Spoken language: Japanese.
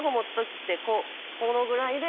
このぐらいで。